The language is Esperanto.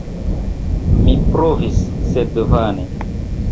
Mi provis, sed vane.